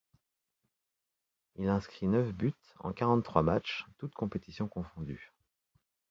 Il inscrit neuf buts en quarante-trois matchs toutes compétitions confondues.